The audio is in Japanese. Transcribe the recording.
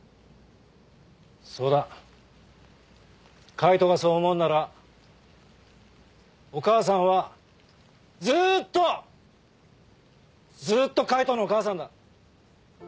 そうだ海人がそう思うんならお母さんはずっとずっと海人のお母さんだ。